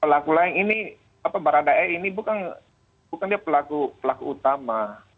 pelaku lain ini apa barada e ini bukan dia pelaku utama